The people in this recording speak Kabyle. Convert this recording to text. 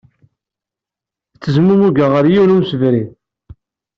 Tezmumeg ɣer yiwen n wemsebrid.